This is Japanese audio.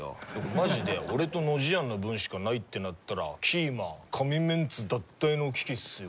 マジで俺とノジヤンの分しかないってなったらキーマ神メンツ脱退の危機っすよ？